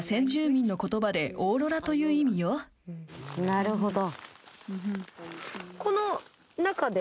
なるほど。